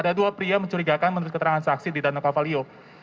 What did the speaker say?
ada dua pria mencurigakan menurut keterangan saksi di dana kavalio